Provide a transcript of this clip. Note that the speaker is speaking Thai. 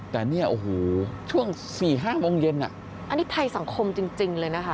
แต่เนี่ยโอ้โหช่วงสี่ห้าโมงเย็นอ่ะอันนี้ภัยสังคมจริงเลยนะคะ